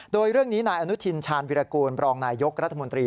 โดยเรื่องนี้นายอนุทินชาญวิรากูลบรองนายยกรัฐมนตรี